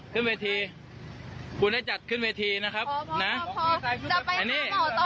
ขึ้นเวทีคุณได้จัดขึ้นเวทีนะครับนะพอพอพอจะไปกันหรอต่อ